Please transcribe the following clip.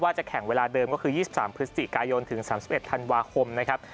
จะแข่งเวลาเดิมก็คือ๒๓พฤศจิกายนถึง๓๑ธันวาคมนะครับ